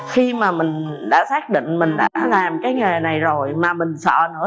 khi mà mình đã xác định mình đã làm cái nghề này rồi mà mình sợ nữa